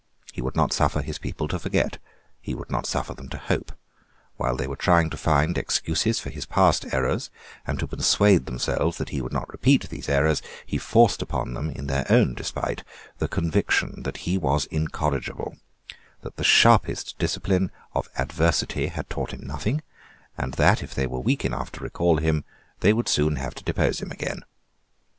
He would not suffer his people to forget: he would not suffer them to hope: while they were trying to find excuses for his past errors, and to persuade themselves that he would not repeat these errors, he forced upon them, in their own despite, the conviction that he was incorrigible, that the sharpest discipline of adversity had taught him nothing, and that, if they were weak enough to recall him, they would soon have to depose him again.